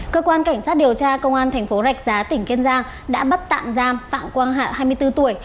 cơ quan cảnh sát điều tra công an thành phố rạch giá tỉnh kiên giang đã bắt tạm giam phạm quang hạ hai mươi bốn tuổi